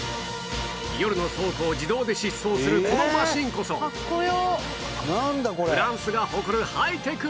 夜の倉庫を自動で疾走するこのマシンこそフランスが誇るハイテクロボ